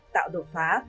tạo đột phá